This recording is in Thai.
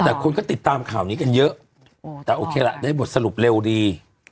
แต่คนก็ติดตามข่าวนี้กันเยอะแต่โอเคละได้บทสรุปเร็วดี